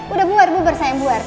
udah bubar sayang bubar